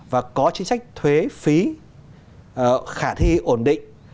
và có chính sách thuế phí khả thi ổn định